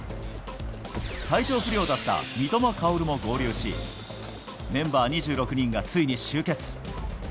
体調不良だった三笘薫も合流し、メンバー２６人がついに集結。